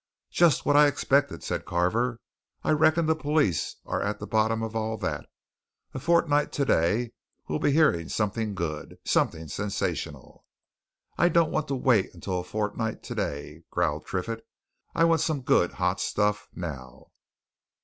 "Just what I expected!" said Carver. "I reckon the police are at the bottom of all that. A fortnight today we'll be hearing something good something sensational." "I don't want to wait until a fortnight today," growled Triffitt. "I want some good, hot stuff now!"